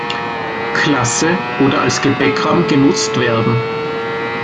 Klasse oder als Gepäckraum genutzt werden.